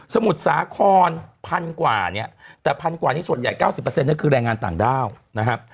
สมุดสาข้อนพันกว่านี้แต่พันกว่านี้ส่วนใหญ่๙๐นั่นคือแรงงานต่างด้าวนะฮะ